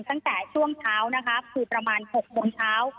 ตั้งแต่ช่วงเช้านะคะคือประมาณ๖โมงเช้า